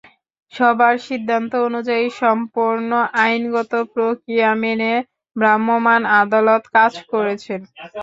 সভার সিদ্ধান্ত অনুযায়ী সম্পূর্ণ আইনগত প্রক্রিয়া মেনে ভ্রাম্যমাণ আদালত কাজ করেছেন।